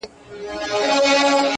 څوک حاجیان دي څوک پیران څوک عالمان دي,